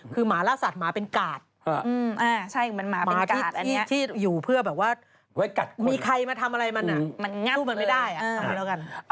คือหมาล่าสัตว์หมาเป็นกาดหมาที่อยู่เพื่อแบบว่ามีใครมาทำอะไรมันอ่ะมันงั้นไม่ได้อ่ะทำไว้แล้วกัน